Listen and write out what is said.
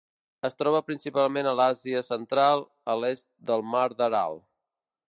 Es troba principalment a l'Àsia Central a l'est del mar d'Aral.